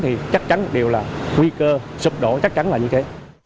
thì chắc chắn điều là nguy cơ sụp đổ chắc chắn là như thế